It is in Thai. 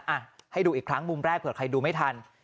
อ่ะให้ดูอีกครั้งมุมแรกเผื่อใครดูไม่ทัน